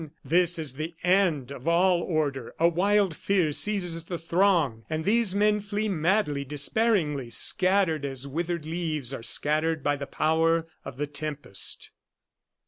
This is the end of all order. A wild fear seizes the throng; and these men flee madly, despairingly, scattered as withered leaves are scattered by the power of the tempest.